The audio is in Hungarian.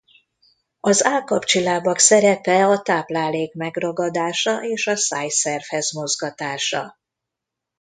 Az állkapcsi lábak szerepe a táplálék megragadása és a szájszervhez mozgatása.